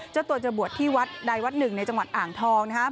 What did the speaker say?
เจ้าตัวจะบวชที่วัดใดวัดหนึ่งในจังหวัดอ่างทองนะครับ